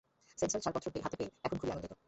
Sensor ছাড়পত্র হাতে পেয়ে এখন খুবই আনন্দিত।